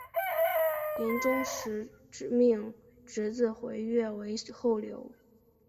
临终时命侄子田悦为留后。